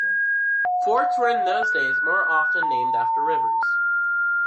Forts were in those days more often named after rivers.